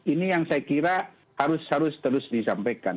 ini yang saya kira harus terus disampaikan